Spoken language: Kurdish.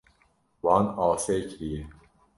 Wan asê kiriye.